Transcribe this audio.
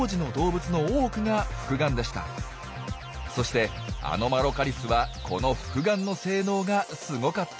そしてアノマロカリスはこの複眼の性能がすごかったんです！